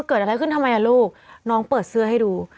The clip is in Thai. เกิดอะไรขึ้นทำไมอ่ะลูกน้องเปิดเสื้อให้ดู